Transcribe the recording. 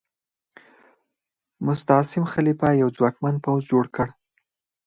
مستعصم خلیفه یو ځواکمن پوځ جوړ کړ.